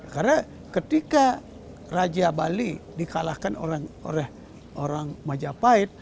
karena ketika raja bali dikalahkan oleh majapahit